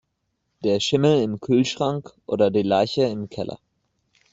Der Schimmel im Kühlschrank oder die Leiche im Keller.